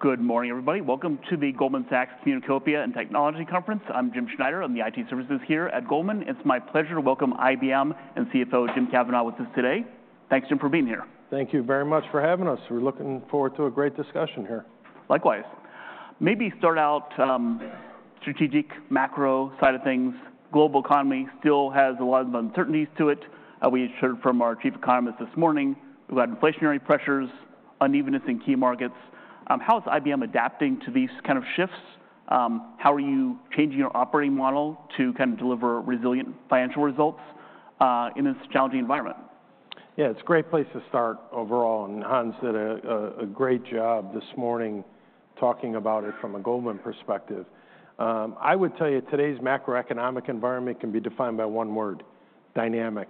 Good morning, everybody. Welcome to the Goldman Sachs Communopia and Technology Conference. I'm Jim Schneider. I'm the IT Services here at Goldman. It's my pleasure to welcome IBM and CFO, Jim Kavanaugh, with us today. Thanks, Jim, for being here. Thank you very much for having us. We're looking forward to a great discussion here. Likewise. Maybe start out, strategic, macro side of things. Global economy still has a lot of uncertainties to it. We heard from our Chief Economist this morning about inflationary pressures, unevenness in key markets. How is IBM adapting to these kind of shifts? How are you changing your operating model to kind of deliver resilient financial results, in this challenging environment? Yeah, it's a great place to start overall, and Hans did a great job this morning talking about it from a Goldman perspective. I would tell you, today's macroeconomic environment can be defined by one word: dynamic.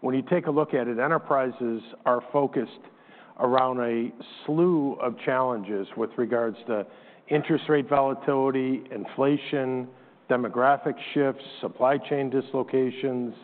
When you take a look at it, enterprises are focused around a slew of challenges with regards to interest rate volatility, inflation, demographic shifts, supply chain dislocations,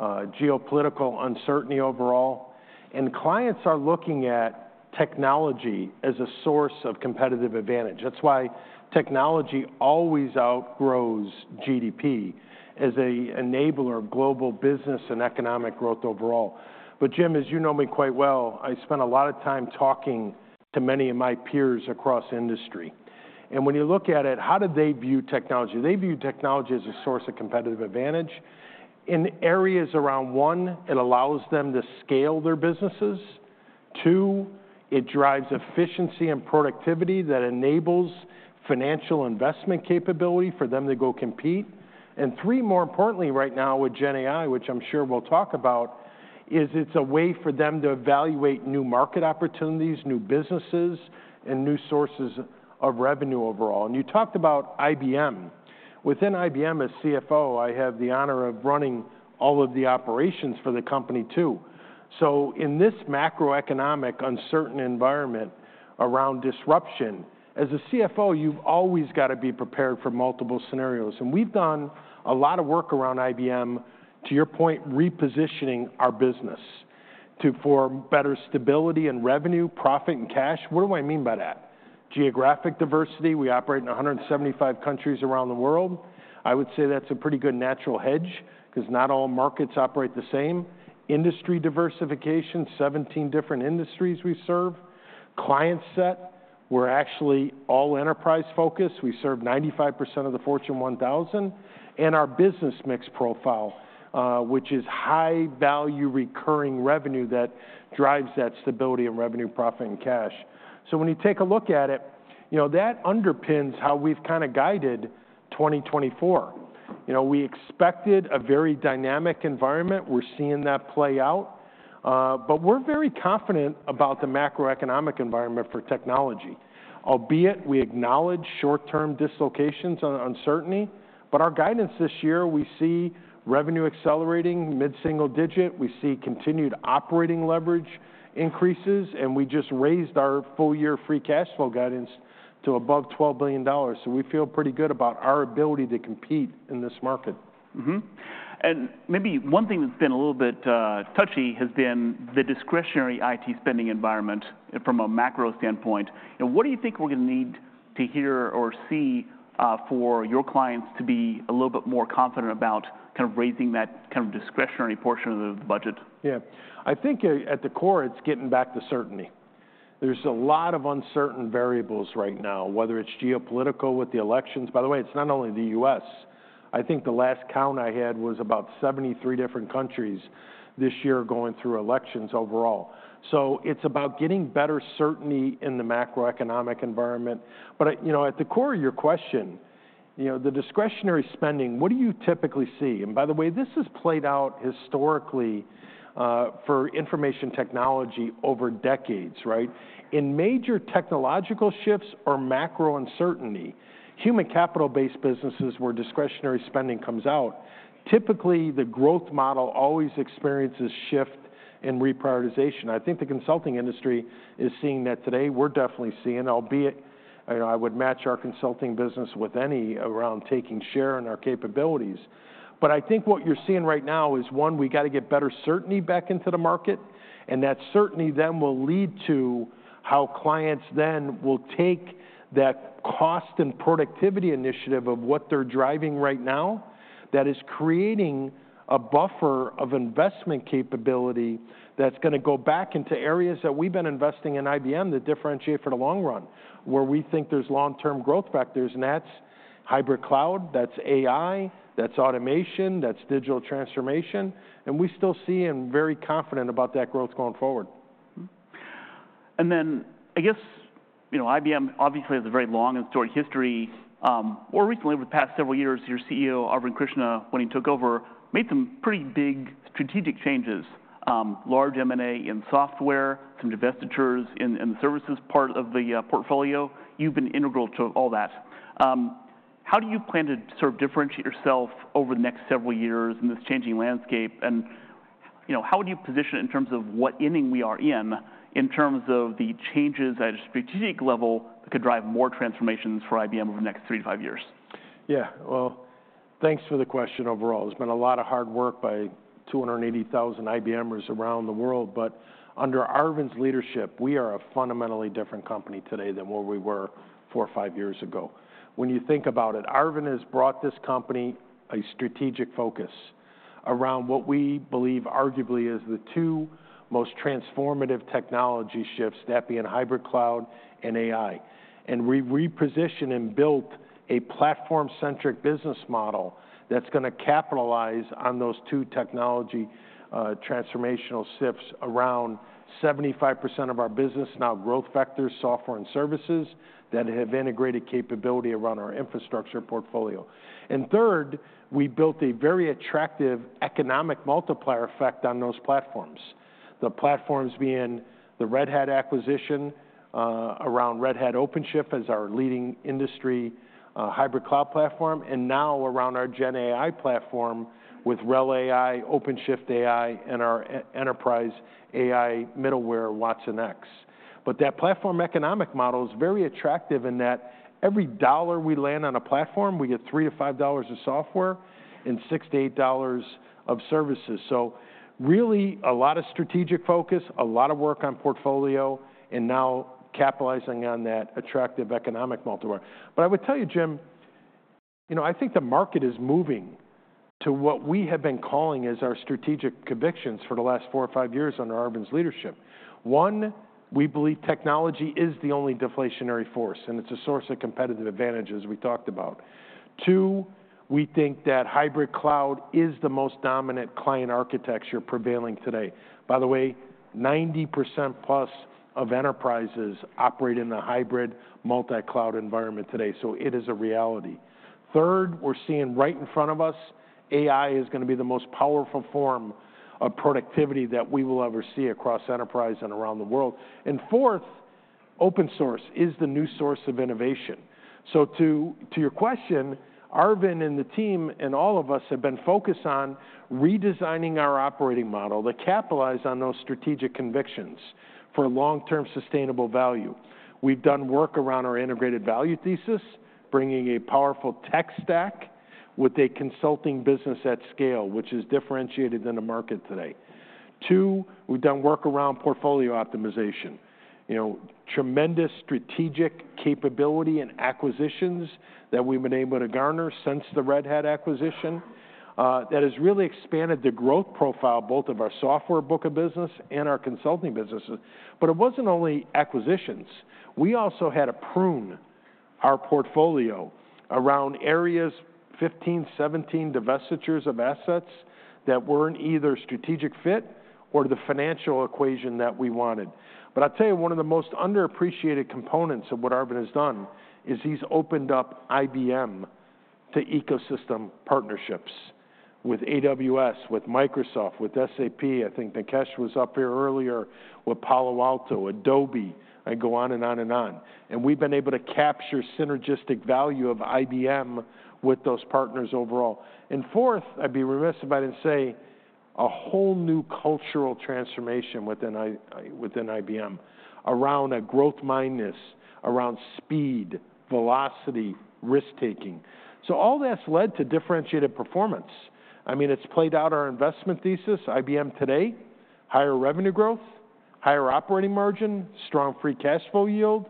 geopolitical uncertainty overall, and clients are looking at technology as a source of competitive advantage. That's why technology always outgrows GDP as a enabler of global business and economic growth overall. But Jim, as you know me quite well, I spend a lot of time talking to many of my peers across industry, and when you look at it, how do they view technology? They view technology as a source of competitive advantage in areas around, one, it allows them to scale their businesses. Two, it drives efficiency and productivity that enables financial investment capability for them to go compete. And three, more importantly, right now, with GenAI, which I'm sure we'll talk about, is it's a way for them to evaluate new market opportunities, new businesses, and new sources of revenue overall. And you talked about IBM. Within IBM, as CFO, I have the honor of running all of the operations for the company, too. So in this macroeconomic, uncertain environment around disruption, as a CFO, you've always got to be prepared for multiple scenarios, and we've done a lot of work around IBM, to your point, repositioning our business to- for better stability and revenue, profit, and cash. What do I mean by that? Geographic diversity, we operate in 175 countries around the world. I would say that's a pretty good natural hedge because not all markets operate the same. Industry diversification, 17 different industries we serve. Client set, we're actually all enterprise-focused. We serve 95% of the Fortune 1000, and our business mix profile, which is high-value, recurring revenue that drives that stability of revenue, profit, and cash. So when you take a look at it, you know, that underpins how we've kind of guided 2024. You know, we expected a very dynamic environment. We're seeing that play out, but we're very confident about the macroeconomic environment for technology, albeit we acknowledge short-term dislocations and uncertainty. But our guidance this year, we see revenue accelerating mid-single digit. We see continued operating leverage increases, and we just raised our full-year free cash flow guidance to above $12 billion. So we feel pretty good about our ability to compete in this market. Mm-hmm, and maybe one thing that's been a little bit, touchy has been the discretionary IT spending environment from a macro standpoint. Now, what do you think we're going to need to hear or see, for your clients to be a little bit more confident about kind of raising that kind of discretionary portion of the budget? Yeah. I think at the core, it's getting back to certainty. There's a lot of uncertain variables right now, whether it's geopolitical with the elections, by the way, it's not only the U.S.. I think the last count I had was about 73 different countries this year going through elections overall. So it's about getting better certainty in the macroeconomic environment. But, you know, at the core of your question, you know, the discretionary spending, what do you typically see? By the way, this has played out historically, for information technology over decades, right? In major technological shifts or macro uncertainty, human capital-based businesses where discretionary spending comes out, typically, the growth model always experiences shift and reprioritization. I think the consulting industry is seeing that today. We're definitely seeing, albeit, you know, I would match our consulting business with any around taking share in our capabilities. But I think what you're seeing right now is, one, we got to get better certainty back into the market, and that certainty then will lead to how clients then will take that cost and productivity initiative of what they're driving right now. That is creating a buffer of investment capability that's gonna go back into areas that we've been investing in IBM that differentiate for the long run, where we think there's long-term growth factors, and that's hybrid cloud, that's AI, that's automation, that's digital transformation, and we still see and very confident about that growth going forward. Mm-hmm. And then, I guess, you know, IBM obviously has a very long and storied history. More recently, over the past several years, your CEO, Arvind Krishna, when he took over, made some pretty big strategic changes, large M&A in software, some divestitures in the services part of the portfolio. You've been integral to all that. How do you plan to sort of differentiate yourself over the next several years in this changing landscape, and, you know, how would you position it in terms of what inning we are in, in terms of the changes at a strategic level that could drive more transformations for IBM over the next three to five years? Yeah. Thanks for the question overall. There's been a lot of hard work by 280,000 IBMers around the world, but under Arvind's leadership, we are a fundamentally different company today than what we were four or five years ago. When you think about it, Arvind has brought this company a strategic focus around what we believe arguably is the two most transformative technology shifts, that being hybrid cloud and AI, and we've repositioned and built a platform-centric business model that's gonna capitalize on those two technology transformational shifts. Around 75% of our business now growth vectors, software, and services that have integrated capability around our infrastructure portfolio, and third, we built a very attractive economic multiplier effect on those platforms. The platforms being the Red Hat acquisition around Red Hat OpenShift as our leading industry hybrid cloud platform, and now around our GenAI platform with RHEL AI, OpenShift AI, and our enterprise AI middleware, watsonx, but that platform economic model is very attractive in that every dollar we land on a platform, we get $3-$5 of software and $6-$8 of services, so really, a lot of strategic focus, a lot of work on portfolio, and now capitalizing on that attractive economic multiplier, but I would tell you, Jim, you know, I think the market is moving to what we have been calling as our strategic convictions for the last four or five years under Arvind's leadership. One, we believe technology is the only deflationary force, and it's a source of competitive advantage, as we talked about. Two, we think that hybrid cloud is the most dominant client architecture prevailing today. By the way, 90%+ of enterprises operate in a hybrid multi-cloud environment today, so it is a reality. Third, we're seeing right in front of us, AI is gonna be the most powerful form of productivity that we will ever see across enterprise and around the world, and fourth, open source is the new source of innovation. So to your question, Arvind and the team and all of us have been focused on redesigning our operating model to capitalize on those strategic convictions for long-term, sustainable value. We've done work around our integrated value thesis, bringing a powerful tech stack with a consulting business at scale, which is differentiated in the market today. Two, we've done work around portfolio optimization. You know, tremendous strategic capability and acquisitions that we've been able to garner since the Red Hat acquisition that has really expanded the growth profile, both of our software book of business and our consulting businesses. But it wasn't only acquisitions. We also had to prune our portfolio around areas, 15, 17 divestitures of assets that weren't either strategic fit or the financial equation that we wanted. But I'll tell you, one of the most underappreciated components of what Arvind has done is he's opened up IBM to ecosystem partnerships with AWS, with Microsoft, with SAP. I think Nikesh was up here earlier, with Palo Alto, Adobe. I go on and on and on, and we've been able to capture synergistic value of IBM with those partners overall. And fourth, I'd be remiss if I didn't say a whole new cultural transformation within IBM around a growth mindset, around speed, velocity, risk-taking. So all that's led to differentiated performance. I mean, it's played out our investment thesis, IBM today, higher revenue growth, higher operating margin, strong free cash flow yield,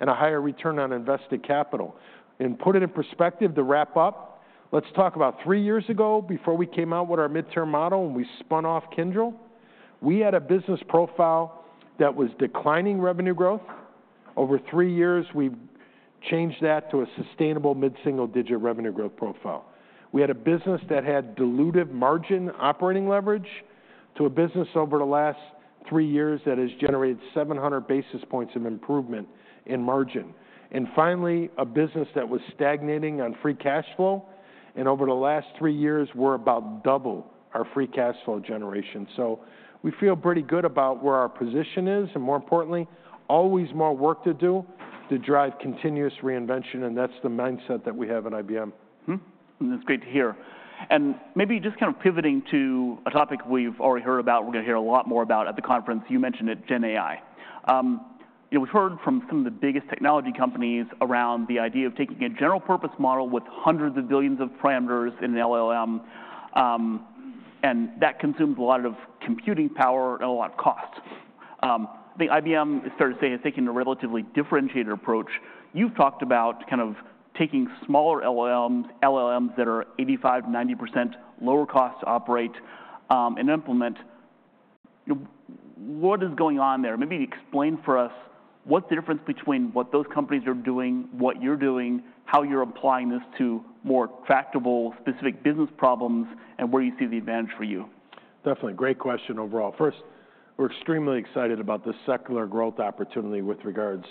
and a higher return on invested capital. And put it in perspective to wrap up, let's talk about three years ago before we came out with our midterm model, and we spun off Kyndryl. We had a business profile that was declining revenue growth. Over three years, we've changed that to a sustainable mid-single-digit revenue growth profile. We had a business that had dilutive margin operating leverage to a business over the last three years that has generated seven hundred basis points of improvement in margin. And finally, a business that was stagnating on free cash flow, and over the last three years, we're about double our free cash flow generation. So we feel pretty good about where our position is, and more importantly, always more work to do to drive continuous reinvention, and that's the mindset that we have at IBM. Mm-hmm, that's great to hear. And maybe just kind of pivoting to a topic we've already heard about, we're gonna hear a lot more about at the conference, you mentioned it, GenAI. You know, we've heard from some of the biggest technology companies around the idea of taking a general-purpose model with hundreds of billions of parameters in an LLM, and that consumes a lot of computing power and a lot of cost. I think IBM started saying, taking a relatively differentiated approach, you've talked about kind of taking smaller LLMs, LLMs that are 85%, 90% lower cost to operate, and implement. You know, what is going on there? Maybe explain for us what's the difference between what those companies are doing, what you're doing, how you're applying this to more tractable, specific business problems, and where do you see the advantage for you? Definitely. Great question overall. First, we're extremely excited about the secular growth opportunity with regards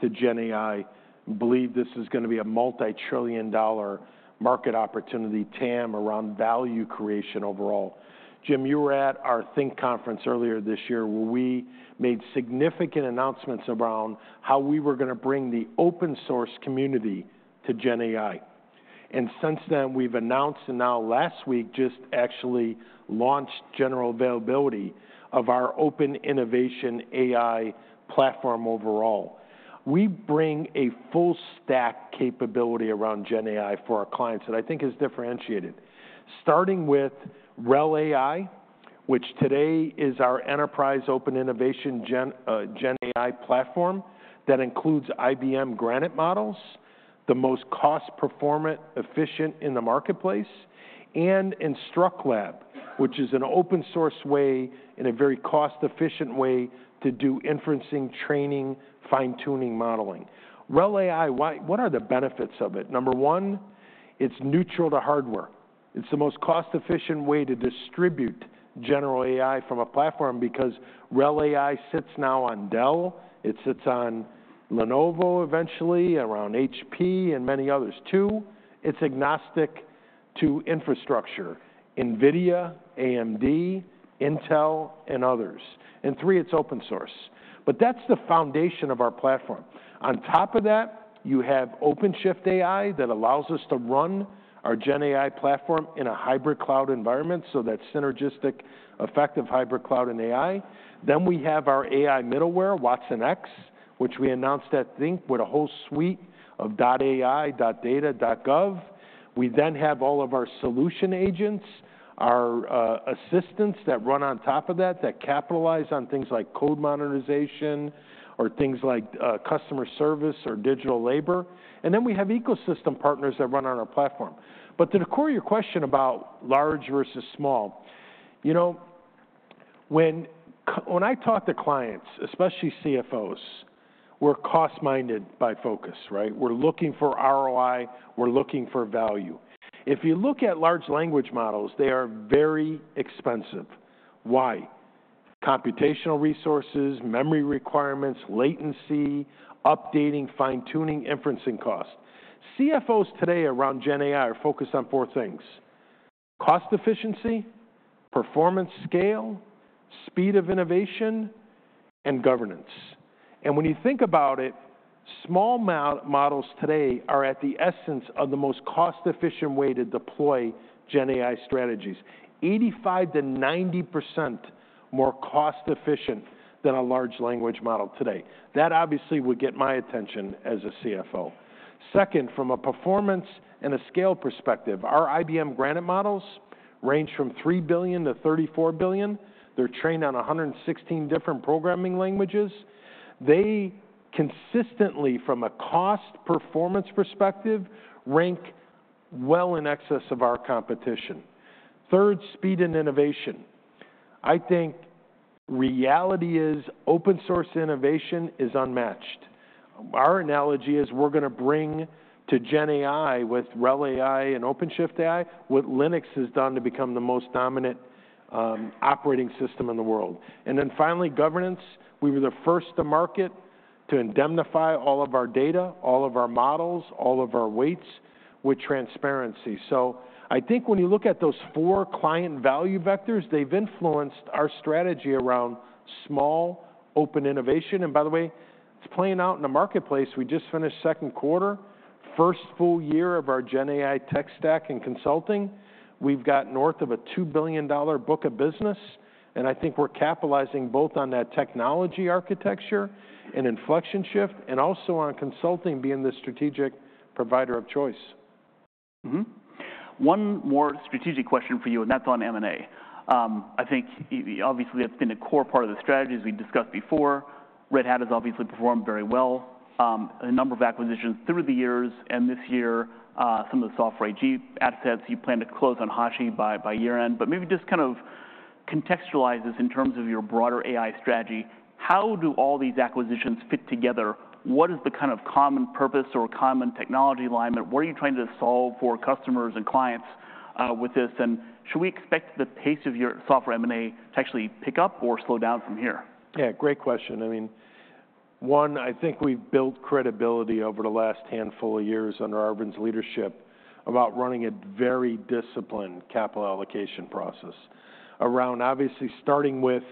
to GenAI, and believe this is gonna be a multi-trillion dollar market opportunity, TAM, around value creation overall. Jim, you were at our Think conference earlier this year, where we made significant announcements around how we were gonna bring the open source community to GenAI. Since then, we've announced, and now last week, just actually launched general availability of our open innovation AI platform overall. We bring a full stack capability around GenAI for our clients that I think is differentiated. Starting with RHEL AI, which today is our enterprise open innovation GenAI platform that includes IBM Granite models, the most cost-performant, efficient in the marketplace, and InstructLab, which is an open source way and a very cost-efficient way to do inferencing, training, fine-tuning, modeling. RHEL AI, what are the benefits of it? Number one, it's neutral to hardware. It's the most cost-efficient way to distribute general AI from a platform because RHEL AI sits now on Dell, it sits on Lenovo, eventually, around HP, and many others. Two, it's agnostic to infrastructure: NVIDIA, AMD, Intel, and others. And three, it's open source. But that's the foundation of our platform. On top of that, you have OpenShift AI that allows us to run GenAI platform in a hybrid cloud environment, so that synergistic effect of hybrid cloud and AI. Then we have our AI middleware, watsonx, which we announced at Think, with a whole suite of .ai, .data, .gov. We then have all of our solution agents, our assistants that run on top of that, that capitalize on things like code monetization or things like customer service or digital labor, and then we have ecosystem partners that run on our platform. But to the core of your question about large versus small, you know, when I talk to clients, especially CFOs, we're cost-minded by focus, right? We're looking for ROI, we're looking for value. If you look at large language models, they are very expensive. Why? Computational resources, memory requirements, latency, updating, fine-tuning, inferencing costs. CFOs today GenAI are focused on four things: cost efficiency, performance scale, speed of innovation, and governance. And when you think about it, small models today are at the essence of the most cost-efficient way to GenAI strategies. 85%-90% more cost-efficient than a large language model today. That obviously would get my attention as a CFO. Second, from a performance and a scale perspective, our IBM Granite models range from 3 billion-34 billion. They're trained on 116 different programming languages. They consistently, from a cost-performance perspective, rank well in excess of our competition. Third, speed and innovation. I think reality is open source innovation is unmatched. Our analogy is we're gonna bring to GenAI with RHEL AI and OpenShift AI, what Linux has done to become the most dominant, operating system in the world. And then finally, governance. We were the first to market to indemnify all of our data, all of our models, all of our weights with transparency. So I think when you look at those four client value vectors, they've influenced our strategy around small open innovation, and by the way, it's playing out in the marketplace. We just finished second quarter, first full year of GenAI tech stack and consulting. We've got north of a $2 billion book of business, and I think we're capitalizing both on that technology architecture and inflection shift, and also on consulting being the strategic provider of choice. Mm-hmm. One more strategic question for you, and that's on M&A. I think obviously, that's been a core part of the strategy, as we discussed before. Red Hat has obviously performed very well. A number of acquisitions through the years, and this year, some of the Software AG assets you plan to close on, Hashi by year-end. But maybe just kind of contextualize this in terms of your broader AI strategy. How do all these acquisitions fit together? What is the kind of common purpose or common technology alignment? What are you trying to solve for customers and clients with this? And should we expect the pace of your software M&A to actually pick up or slow down from here? Yeah, great question. I mean, one, I think we've built credibility over the last handful of years under Arvind's leadership, about running a very disciplined capital allocation process around obviously starting with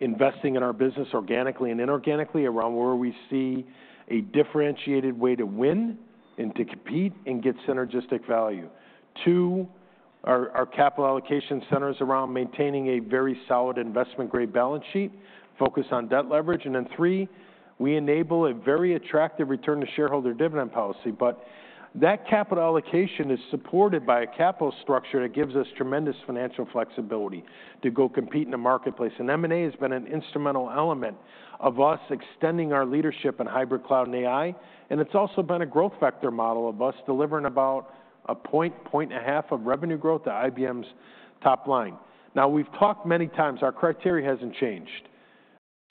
investing in our business organically and inorganically, around where we see a differentiated way to win and to compete and get synergistic value. Two, our capital allocation centers around maintaining a very solid investment-grade balance sheet, focused on debt leverage. And then three, we enable a very attractive return to shareholder dividend policy, but that capital allocation is supported by a capital structure that gives us tremendous financial flexibility to go compete in the marketplace. And M&A has been an instrumental element of us extending our leadership in hybrid cloud and AI, and it's also been a growth vector model of us delivering about a point, point and a half of revenue growth to IBM's top line. Now, we've talked many times. Our criteria hasn't changed: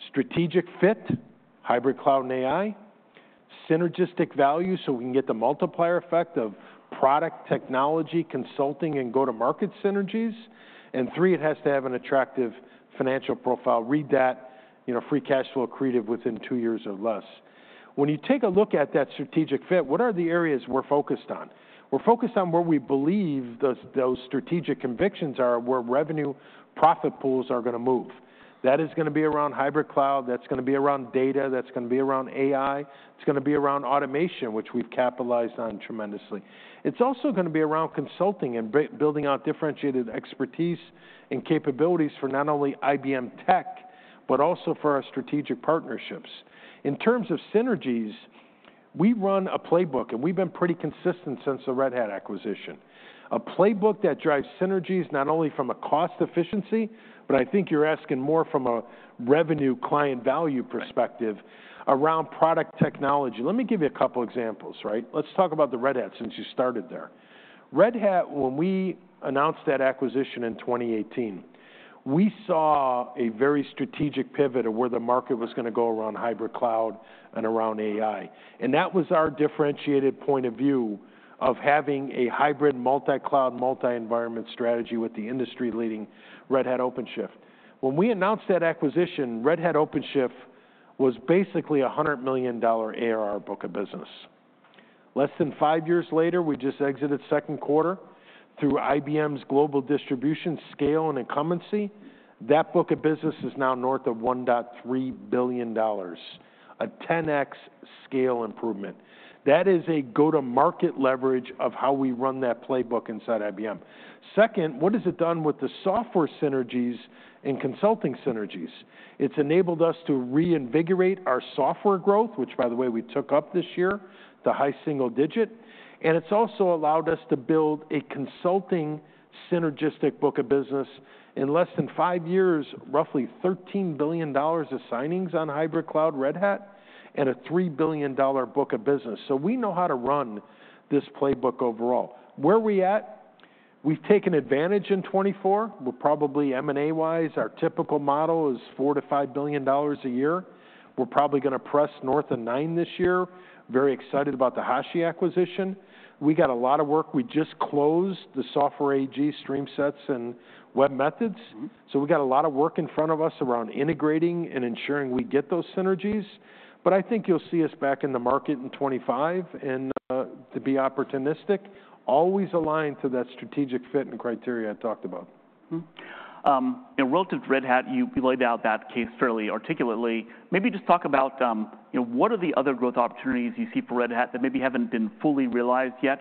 strategic fit, hybrid cloud and AI. Synergistic value, so we can get the multiplier effect of product, technology, consulting, and go-to-market synergies. And three, it has to have an attractive financial profile. Read that, you know, free cash flow accretive within two years or less. When you take a look at that strategic fit, what are the areas we're focused on? We're focused on where we believe those strategic convictions are, where revenue profit pools are gonna move. That is gonna be around hybrid cloud, that's gonna be around data, that's gonna be around AI. It's gonna be around automation, which we've capitalized on tremendously. It's also gonna be around consulting and building out differentiated expertise and capabilities for not only IBM tech, but also for our strategic partnerships. In terms of synergies... We run a playbook, and we've been pretty consistent since the Red Hat acquisition. A playbook that drives synergies not only from a cost efficiency, but I think you're asking more from a revenue client value perspective- Right Around product technology. Let me give you a couple examples, right? Let's talk about the Red Hat, since you started there. Red Hat, when we announced that acquisition in 2018, we saw a very strategic pivot of where the market was gonna go around hybrid cloud and around AI. And that was our differentiated point of view of having a hybrid, multi-cloud, multi-environment strategy with the industry-leading Red Hat OpenShift. When we announced that acquisition, Red Hat OpenShift was basically a $100 million ARR book of business. Less than five years later, we just exited second quarter through IBM's global distribution scale and incumbency. That book of business is now north of $1.3 billion, a 10X scale improvement. That is a go-to-market leverage of how we run that playbook inside IBM. Second, what has it done with the software synergies and consulting synergies? It's enabled us to reinvigorate our software growth, which, by the way, we took up this year, to high single digit, and it's also allowed us to build a consulting synergistic book of business. In less than five years, roughly $13 billion of signings on hybrid cloud Red Hat, and a $3 billion book of business. So we know how to run this playbook overall. Where are we at? We've taken advantage in 2024. We're probably, M&A-wise, our typical model is $4-$5 billion a year. We're probably gonna press north of $9 billion this year. Very excited about the Hashi acquisition. We got a lot of work. We just closed the Software AG StreamSets and webMethods. Mm-hmm. So we got a lot of work in front of us around integrating and ensuring we get those synergies, but I think you'll see us back in the market in 2025, and to be opportunistic, always aligned to that strategic fit and criteria I talked about. Mm-hmm, and relative to Red Hat, you laid out that case fairly articulately. Maybe just talk about, you know, what are the other growth opportunities you see for Red Hat that maybe haven't been fully realized yet?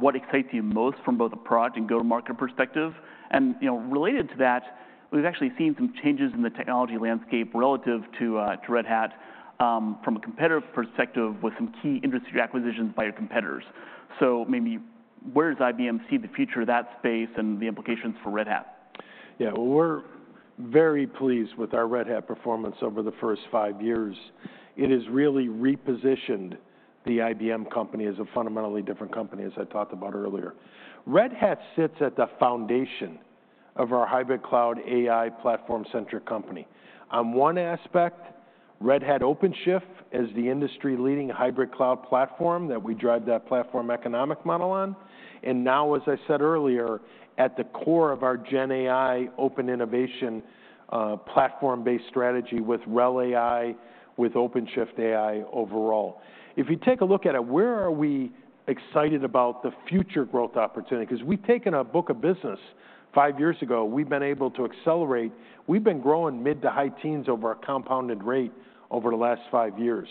What excites you most from both a product and go-to-market perspective? And, you know, related to that, we've actually seen some changes in the technology landscape relative to Red Hat, from a competitive perspective, with some key industry acquisitions by your competitors, so maybe where does IBM see the future of that space and the implications for Red Hat? Yeah, well, we're very pleased with our Red Hat performance over the first five years. It has really repositioned the IBM company as a fundamentally different company, as I talked about earlier. Red Hat sits at the foundation of our hybrid cloud AI platform-centric company. On one aspect, Red Hat OpenShift is the industry-leading hybrid cloud platform that we drive that platform economic model on, and now, as I said earlier, at the core of our GenAI open innovation, platform-based strategy with RHEL AI, with OpenShift AI overall. If you take a look at it, where are we excited about the future growth opportunity? 'Cause we've taken a book of business five years ago, we've been able to accelerate... We've been growing mid to high teens over our compounded rate over the last five years.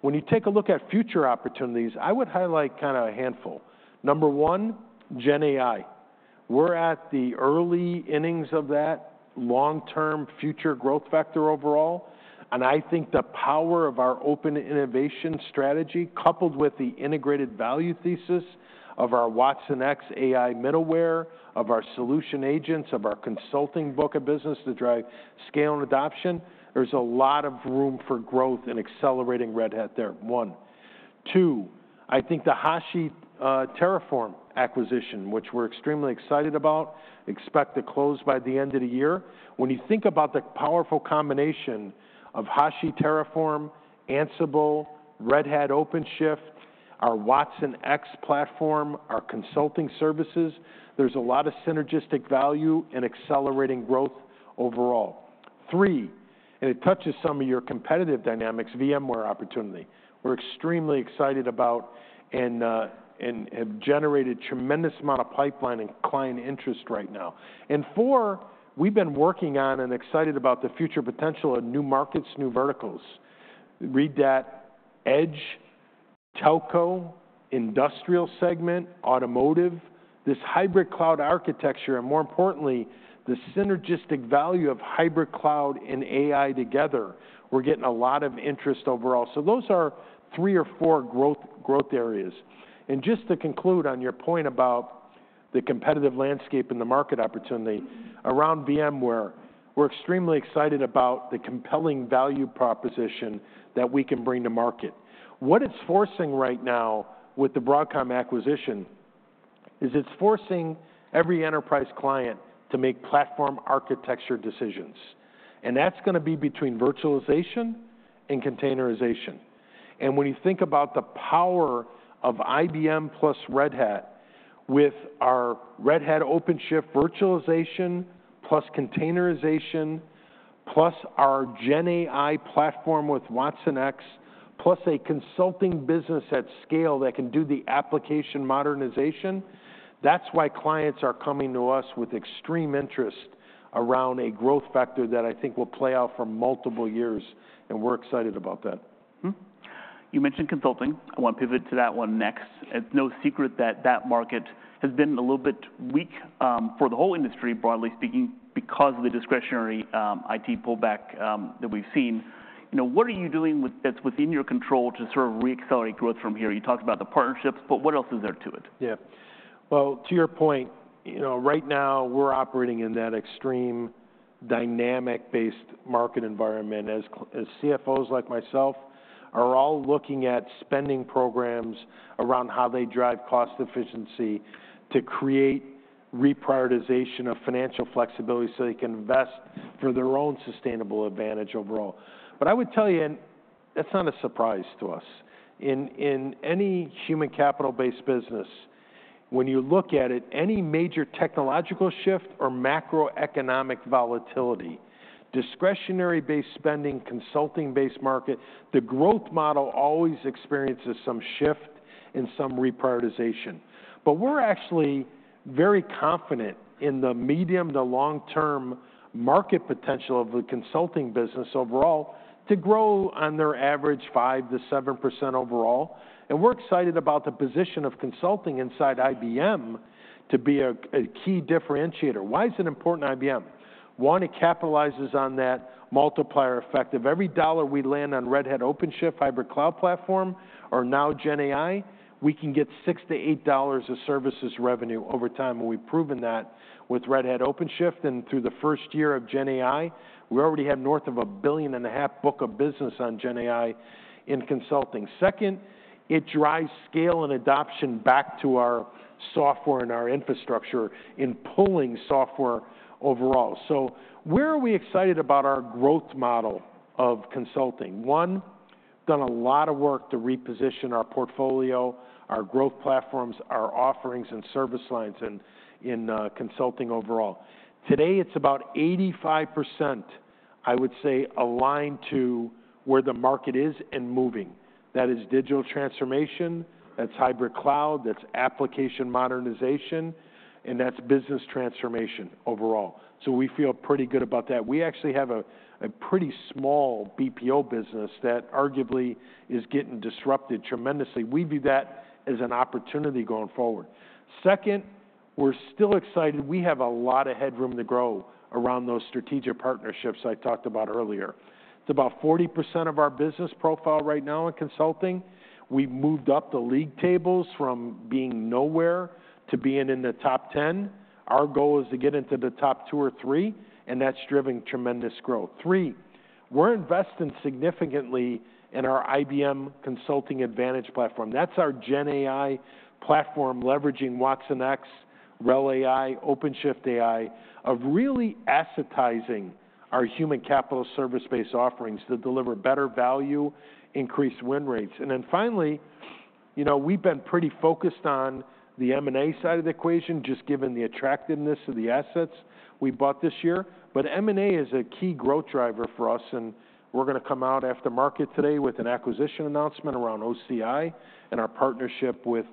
When you take a look at future opportunities, I would highlight kind of a handful. Number one, GenAI. We're at the early innings of that long-term future growth factor overall, and I think the power of our open innovation strategy, coupled with the integrated value thesis of our watsonx AI middleware, of our solution agents, of our consulting book of business to drive scale and adoption, there's a lot of room for growth in accelerating Red Hat there, one. Two, I think the Hashi Terraform acquisition, which we're extremely excited about, expect to close by the end of the year. When you think about the powerful combination of Hashi Terraform, Ansible, Red Hat OpenShift, our watsonx platform, our consulting services, there's a lot of synergistic value in accelerating growth overall. Three, and it touches some of your competitive dynamics, VMware opportunity. We're extremely excited about and have generated tremendous amount of pipeline and client interest right now. Fourth, we've been working on and excited about the future potential of new markets, new verticals. Rather: Edge, Telco, industrial segment, automotive, this hybrid cloud architecture, and more importantly, the synergistic value of hybrid cloud and AI together. We're getting a lot of interest overall. Those are three or four growth areas. Just to conclude on your point about the competitive landscape and the market opportunity around VMware, we're extremely excited about the compelling value proposition that we can bring to market. What it's forcing right now, with the Broadcom acquisition, is forcing every enterprise client to make platform architecture decisions, and that's gonna be between virtualization and containerization. And when you think about the power of IBM plus Red Hat, with our Red Hat OpenShift virtualization, plus containerization, plus our GenAI platform with watsonx, plus a consulting business at scale that can do the application modernization, that's why clients are coming to us with extreme interest around a growth factor that I think will play out for multiple years, and we're excited about that. Mm-hmm. You mentioned consulting. I want to pivot to that one next. It's no secret that that market has been a little bit weak for the whole industry, broadly speaking, because of the discretionary IT pullback that we've seen. You know, what are you doing that's within your control to sort of re-accelerate growth from here? You talked about the partnerships, but what else is there to it? Yeah. Well, to your point, you know, right now, we're operating in that extreme dynamic-based market environment, as CFOs like myself are all looking at spending programs around how they drive cost efficiency to create reprioritization of financial flexibility, so they can invest for their own sustainable advantage overall. But I would tell you, and that's not a surprise to us. In any human capital-based business, when you look at it, any major technological shift or macroeconomic volatility, discretionary-based spending, consulting-based market, the growth model always experiences some shift and some reprioritization. But we're actually very confident in the medium to long-term market potential of the consulting business overall, to grow on their average 5-7% overall, and we're excited about the position of consulting inside IBM to be a key differentiator. Why is it important to IBM? One, it capitalizes on that multiplier effect. If every dollar we land on Red Hat OpenShift hybrid cloud platform or now GenAI, we can get six to eight dollars of services revenue over time, and we've proven that with Red Hat OpenShift, and through the first year of GenAI, we already have north of $1.5 billion book of business on GenAI in consulting. Second, it drives scale and adoption back to our software and our infrastructure in pulling software overall, so where are we excited about our growth model of consulting? One, done a lot of work to reposition our portfolio, our growth platforms, our offerings and service lines in consulting overall. Today, it's about 85%, I would say, aligned to where the market is and moving. That is digital transformation, that's hybrid cloud, that's application modernization, and that's business transformation overall. So we feel pretty good about that. We actually have a pretty small BPO business that arguably is getting disrupted tremendously. We view that as an opportunity going forward. Second, we're still excited. We have a lot of headroom to grow around those strategic partnerships I talked about earlier. It's about 40% of our business profile right now in consulting. We've moved up the league tables from being nowhere to being in the top 10. Our goal is to get into the top two or three, and that's driven tremendous growth. Three, we're investing significantly in our IBM Consulting Advantage platform. That's our GenAI platform, leveraging watsonx, RHEL AI, OpenShift AI, of really assetizing our human capital service-based offerings to deliver better value, increased win rates. And then finally, you know, we've been pretty focused on the M&A side of the equation, just given the attractiveness of the assets we bought this year. But M&A is a key growth driver for us, and we're gonna come out after market today with an acquisition announcement around OCI and our partnership with,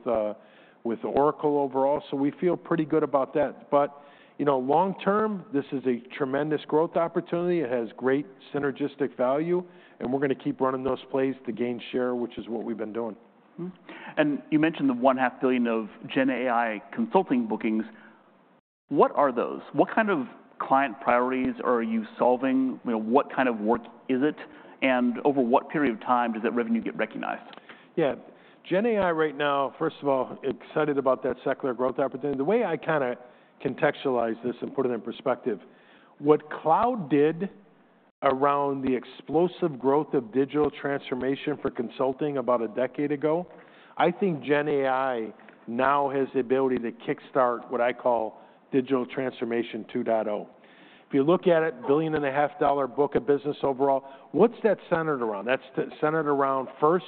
with Oracle overall, so we feel pretty good about that. But, you know, long term, this is a tremendous growth opportunity. It has great synergistic value, and we're gonna keep running those plays to gain share, which is what we've been doing. Mm-hmm. And you mentioned the $500 million of GenAI consulting bookings. What are those? What kind of client priorities are you solving? You know, what kind of work is it, and over what period of time does that revenue get recognized? Yeah. GenAI right now, first of all, excited about that secular growth opportunity. The way I kinda contextualize this and put it in perspective, what cloud did around the explosive growth of digital transformation for consulting about a decade ago, I think GenAI now has the ability to kickstart what I call digital transformation 2.0. If you look at it, $1.5 billion book of business overall, what's that centered around? That's centered around, first,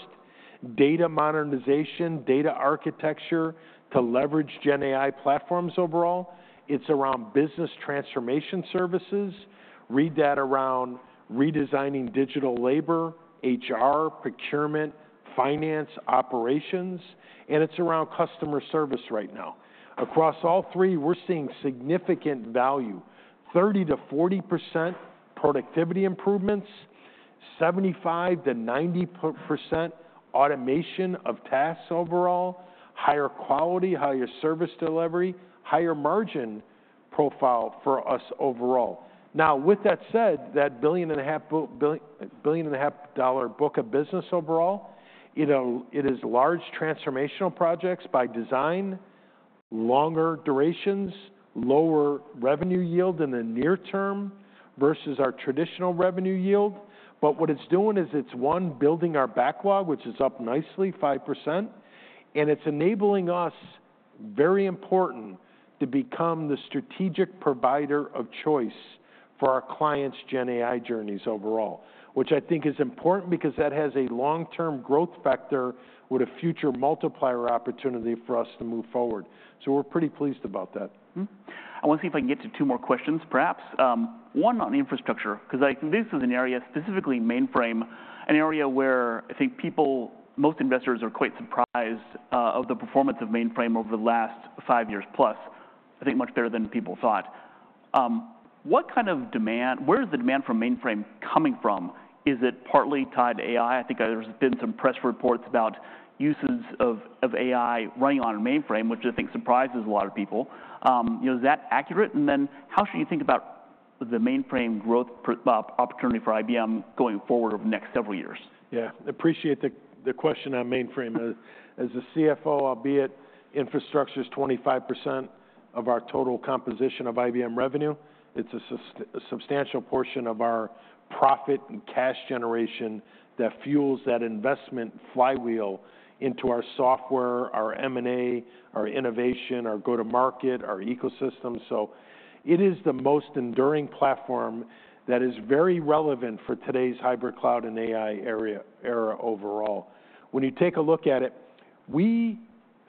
data modernization, data architecture to leverage GenAI platforms overall. It's around business transformation services. Rather around redesigning digital labor, HR, procurement, finance, operations, and it's around customer service right now. Across all three, we're seeing significant value, 30%-40% productivity improvements, 75%-90% automation of tasks overall, higher quality, higher service delivery, higher margin profile for us overall. Now, with that said, that $1.5 billion book of business overall, you know, it is large transformational projects by design, longer durations, lower revenue yield in the near term versus our traditional revenue yield. But what it's doing is it's, one, building our backlog, which is up nicely, 5%, and it's enabling us, very important, to become the strategic provider of choice for our clients' GenAI journeys overall, which I think is important because that has a long-term growth vector with a future multiplier opportunity for us to move forward. So we're pretty pleased about that. Mm-hmm. I want to see if I can get to two more questions, perhaps. One on infrastructure, 'cause I think this is an area, specifically mainframe, an area where I think people, most investors are quite surprised of the performance of mainframe over the last five years plus, I think much better than people thought. What kind of demand. Where is the demand for mainframe coming from? Is it partly tied to AI? I think there's been some press reports about uses of AI running on a mainframe, which I think surprises a lot of people. You know, is that accurate? And then how should you think about the mainframe growth per opportunity for IBM going forward over the next several years? Yeah, appreciate the question on mainframe. As a CFO, albeit infrastructure is 25% of our total composition of IBM revenue, it's a substantial portion of our profit and cash generation that fuels that investment flywheel into our software, our M&A, our innovation, our go-to-market, our ecosystem. So it is the most enduring platform that is very relevant for today's hybrid cloud and AI era overall. When you take a look at it, we,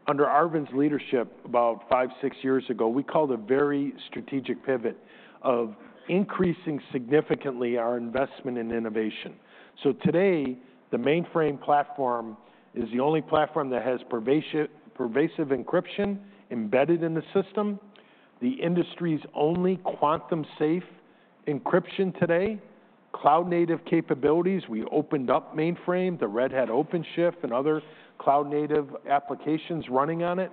under Arvind's leadership, about five, six years ago, we called a very strategic pivot of increasing significantly our investment in innovation. So today, the mainframe platform is the only platform that has pervasive encryption embedded in the system, the industry's only quantum-safe encryption today, cloud-native capabilities. We opened up mainframe, the Red Hat OpenShift and other cloud-native applications running on it.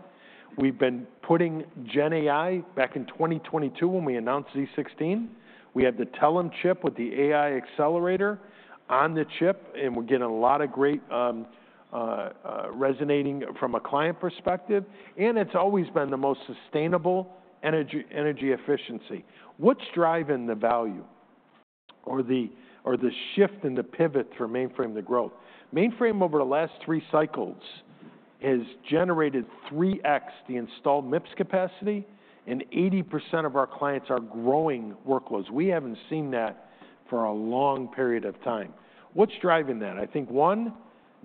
We've been putting GenAI back in 2022 when we announced z16. We had the Telum chip with the AI accelerator on the chip, and we're getting a lot of great resonating from a client perspective, and it's always been the most sustainable energy, energy efficiency. What's driving the value or the, or the shift in the pivot for mainframe to growth? Mainframe, over the last three cycles, has generated three X the installed MIPS capacity, and 80% of our clients are growing workloads. We haven't seen that for a long period of time. What's driving that? I think, one,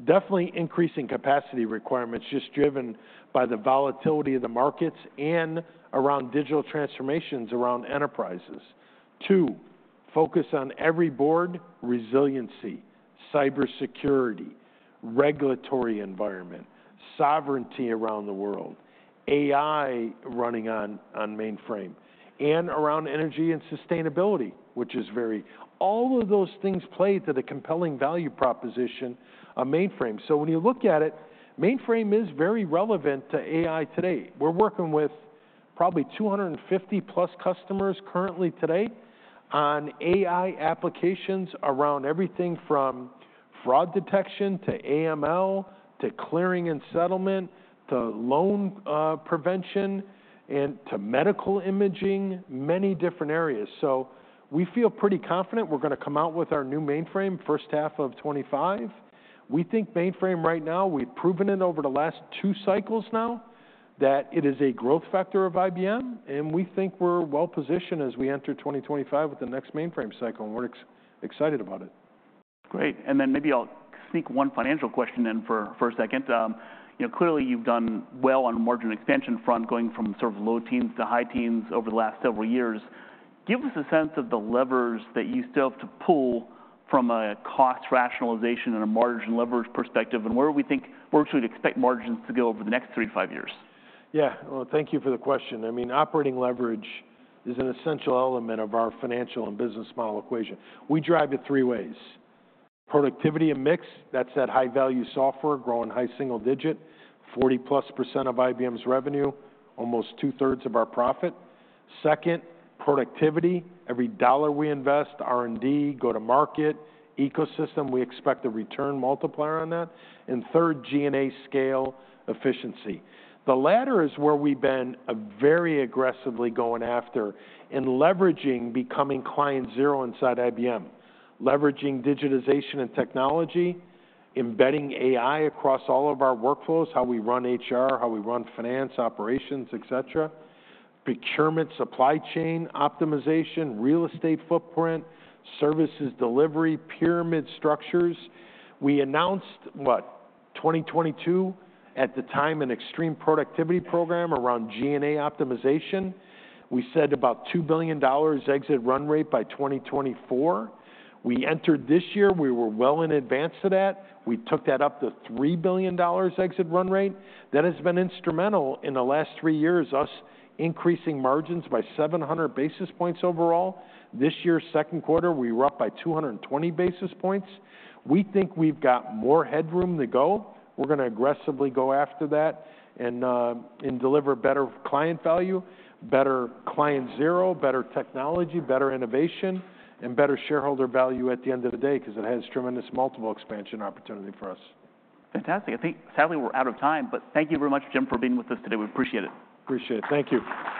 definitely increasing capacity requirements, just driven by the volatility of the markets and around digital transformations, around enterprises. Two, focus on every board, resiliency, cybersecurity, regulatory environment, sovereignty around the world, AI running on mainframe, and around energy and sustainability, which is very... All of those things play to the compelling value proposition of mainframe, so when you look at it, mainframe is very relevant to AI today. We're working with probably 250-plus customers currently today on AI applications around everything from fraud detection, to AML, to clearing and settlement, to loan prevention, and to medical imaging, many different areas, so we feel pretty confident we're gonna come out with our new mainframe first half of 2025. We think mainframe right now, we've proven it over the last two cycles now, that it is a growth factor of IBM, and we think we're well-positioned as we enter 2025 with the next mainframe cycle, and we're excited about it. Great, and then maybe I'll sneak one financial question in for a second. You know, clearly you've done well on the margin expansion front, going from sort of low teens to high teens over the last several years. Give us a sense of the levers that you still have to pull from a cost rationalization and a margin leverage perspective, and where we think, where should we expect margins to go over the next three to five years? Yeah. Well, thank you for the question. I mean, operating leverage is an essential element of our financial and business model equation. We drive it three ways: productivity and mix, that's that high-value software growing high single digit, 40+% of IBM's revenue, almost two-thirds of our profit. Second, productivity. Every dollar we invest, R&D, go-to-market, ecosystem, we expect a return multiplier on that. And third, G&A scale efficiency. The latter is where we've been very aggressively going after and leveraging becoming client zero inside IBM, leveraging digitization and technology, embedding AI across all of our workflows, how we run HR, how we run finance, operations, et cetera, procurement, supply chain, optimization, real estate footprint, services, delivery, pyramid structures. We announced, what? 2022, at the time, an extreme productivity program around G&A optimization. We said about $2 billion exit run rate by 2024. We entered this year well in advance of that. We took that up to $3 billion exit run rate. That has been instrumental in the last three years, us increasing margins by 700 basis points overall. This year's Q2, we were up by 220 basis points. We think we've got more headroom to go. We're gonna aggressively go after that and and deliver better client value, better client ROI, better technology, better innovation, and better shareholder value at the end of the day, 'cause it has tremendous multiple expansion opportunity for us. Fantastic. I think, sadly, we're out of time, but thank you very much, Jim, for being with us today. We appreciate it. Appreciate it. Thank you.